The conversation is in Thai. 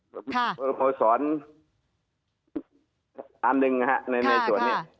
สโมสรอันหนึ่งในส่วนนี้